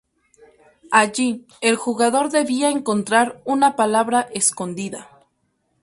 Allí, el jugador debía encontrar una palabra escondida.